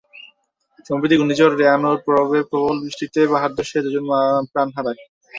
সম্প্রতি ঘূর্ণিঝড় রোয়ানুর প্রভাবে প্রবল বৃষ্টিতে পাহাড় ধসে দুজন প্রাণ হারায়।